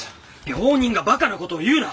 病人がバカな事を言うな！